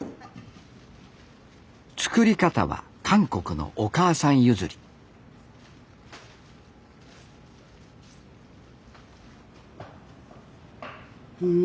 作り方は韓国のお母さん譲りうん。